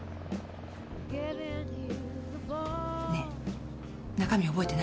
ねえ中身覚えてない？